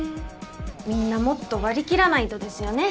みんなもっと割り切らないとですよね。